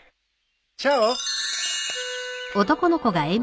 チャオ。